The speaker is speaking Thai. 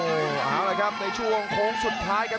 เอาละครับในช่วงโค้งสุดท้ายครับ